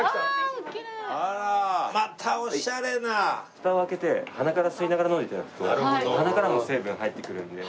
フタを開けて鼻から吸いながら飲んで頂くと鼻からも成分入ってくるので。